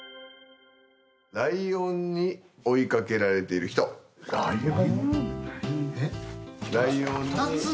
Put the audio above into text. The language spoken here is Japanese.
「ライオンに追いかけられている人」ライオン？